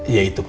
ya itu pa